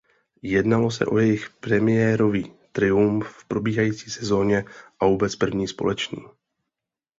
Jednalo se o jejich premiérový triumf v probíhající sezóně a vůbec první společný.